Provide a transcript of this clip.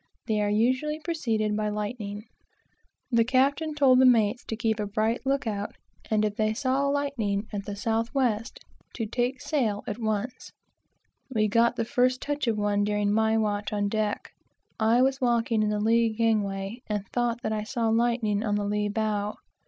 They are usually preceded by lightning. The captain told the mates to keep a bright look out, and if they saw lightning at the south west, to take in sail at once. We got the first touch of one during my watch on deck. I was walking in the lee gangway, and thought that I saw lightning on the lee bow.